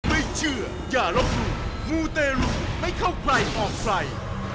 ไม่เชื่ออย่าลบหลู่มูเตรุไม่เข้าใครออกใคร